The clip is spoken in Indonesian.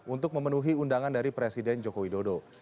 untuk memenuhi undangan dari presiden joko widodo